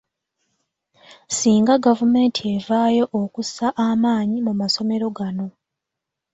Singa gavumenti evaayo okussa amaanyi mu masomero gano.